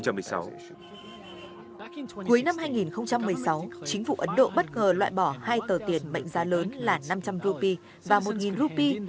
cuối năm hai nghìn một mươi sáu chính phủ ấn độ bất ngờ loại bỏ hai tờ tiền mệnh giá lớn là năm trăm linh rupee và một rupee